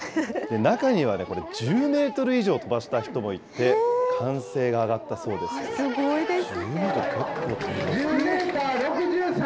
中には１０メートル以上飛ばした人もいて、歓声が上がったそうですごいですね。